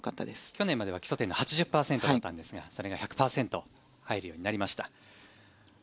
去年までは基礎点が８０％だったんですがそれが１００％入るようになりました。